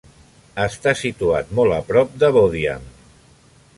Està situat molt a prop de Bodiam.